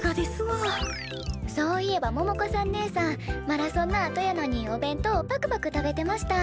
そういえば百子さんねえさんマラソンのあとやのにお弁当をぱくぱく食べてました。